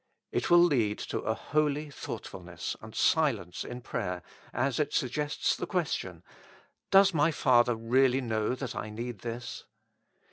It will lead to a holy thoughtfulness and silence in prayer as it suggests the question : Does my Father really know that I need this